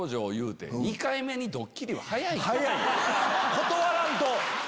断らんと！